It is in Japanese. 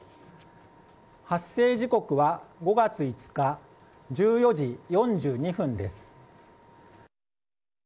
発生時刻は５月５日１４時４２分です。